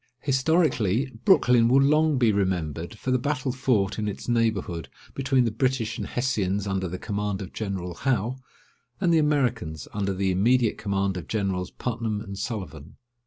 Historically, Brooklyn will long be remembered for the battle fought in its neighbourhood between the British and Hessians under the command of General Howe, and the Americans under the immediate command of Generals Putnam and Sullivan.